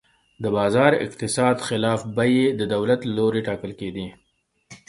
د بازار اقتصاد خلاف بیې د دولت له لوري ټاکل کېدې.